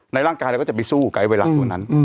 ในร่างกายเราก็จะไปสู้กับไอ้เวลาตัวนั้น